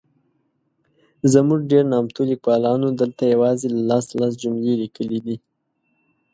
زموږ ډېر نامتو لیکوالانو دلته یوازي لس ،لس جملې لیکلي دي.